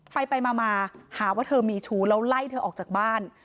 ไปมาหาว่าเธอมีชู้แล้วไล่เธอออกจากบ้าน